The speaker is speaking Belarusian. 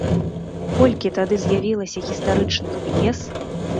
Колькі тады з'явілася гістарычных п'ес!